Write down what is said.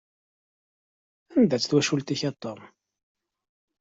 Anda-tt twacult-ik a Tom?